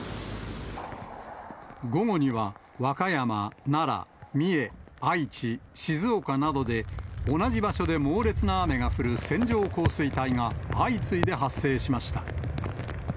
午後には、和歌山、奈良、三重、愛知、静岡などで、同じ場所で猛烈な雨が降る線状降水帯が相次いで発生しました。